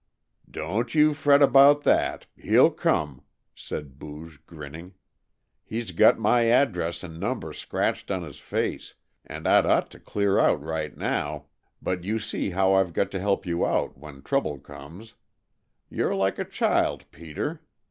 "Don't you fret about that; he'll come," said Booge, grinning. "He's got my address and number scratched on his face, and I'd ought to clear out right now, but you see how I've got to help you out when trouble comes. You 're like a child, Peter.